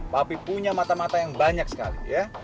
tapi punya mata mata yang banyak sekali ya